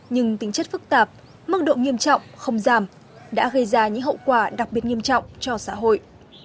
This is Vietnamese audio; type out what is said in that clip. nhưng tính chất phức tạp mức độ nghiêm trọng không giảm đã gây ra những hậu quả đặc biệt nghiêm trọng cho xã hội